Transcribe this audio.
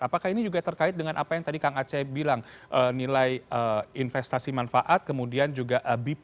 apakah ini juga terkait dengan apa yang tadi kang aceh bilang nilai investasi manfaat kemudian juga bpp